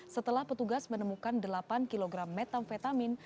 setelah petugas menemukan delapan kg metamfetamin